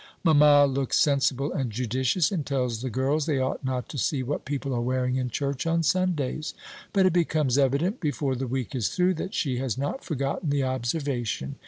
Mamma looks sensible and judicious, and tells the girls they ought not to see what people are wearing in church on Sundays; but it becomes evident, before the week is through, that she has not forgotten the observation.